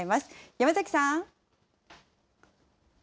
山崎さん。